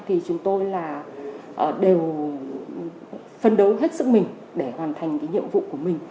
thì chúng tôi là đều phân đấu hết sức mình để hoàn thành cái nhiệm vụ của mình